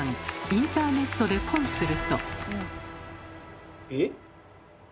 インターネットでポンすると。